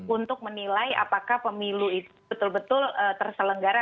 untuk menilai apakah pemilu itu betul betul terselenggara